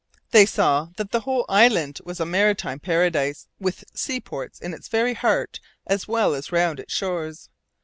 They saw that the whole island was a maritime paradise, with seaports in its very heart as well as round its shores.